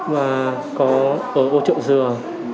và có ở ô trộn dừa